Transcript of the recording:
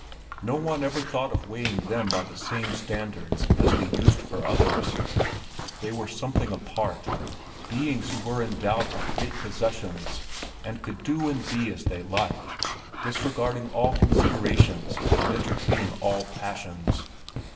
No one ever thought of weighing them by the same standards as they used for others; they were something apart, beings who were endowed with great possessions, and could do and be as they liked, disregarding all considerations and entertaining all passions.